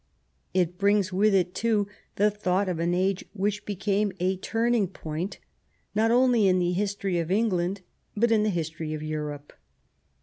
It brings with it, too, the thought of an age which became a turning point not only in the his tory of England but in the history of Europe.